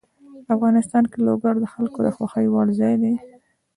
افغانستان کې لوگر د خلکو د خوښې وړ ځای دی.